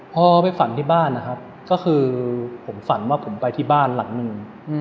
พอไปฝันที่บ้านนะครับก็คือผมฝันว่าผมไปที่บ้านหลังหนึ่ง